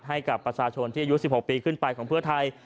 ให้กับประชาชนที่อายุ๑๖ปีขึ้นไปของเพื่อไทย